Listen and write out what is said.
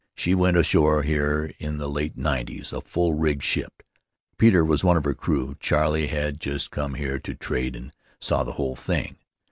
She went ashore here in the late 'nineties — a full rigged ship. Peter was one of her crew; Charley had just come here to trade, and saw the whole thing.